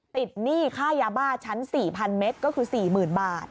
ติดหนี้ข้ายาบาทชั้น๔๐๐๐เมตรก็คือ๔๐๐๐๐บาท